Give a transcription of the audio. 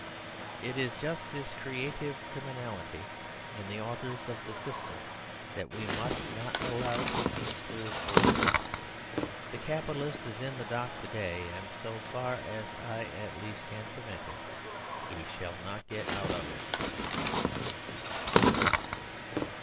It is just this creative criminality in the authors of the system that we must not allow to be slurred over. The capitalist is in the dock to day; and so far as I at least can prevent him, he shall not get out of it.